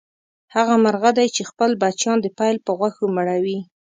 هغه مرغه دی چې خپل بچیان د پیل په غوښو مړوي.